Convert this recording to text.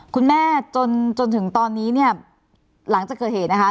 คุณแม่จนจนถึงตอนนี้เนี่ยหลังจากเกิดเหตุนะคะ